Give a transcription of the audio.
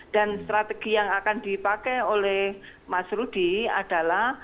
dan strategi yang akan dipakai oleh mas rudy adalah